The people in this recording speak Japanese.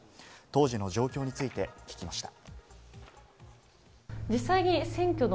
当時の状況について聞きました。